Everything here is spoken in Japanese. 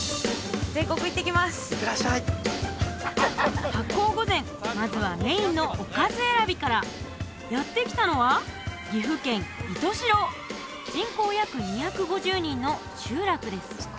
全国発酵御膳まずはメインのおかず選びからやって来たのは岐阜県石徹白人口約２５０人の集落です